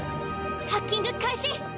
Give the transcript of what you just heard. ハッキング開始！